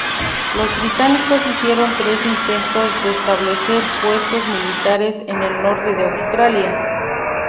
Los británicos hicieron tres intentos de establecer puestos militares en el norte de Australia.